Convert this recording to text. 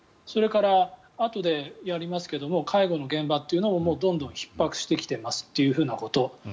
それからあとでやりますけど介護の現場というのももうどんどんひっ迫してきてますということ。